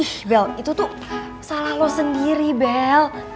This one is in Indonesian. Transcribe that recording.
ih bel itu tuh salah lo sendiri bel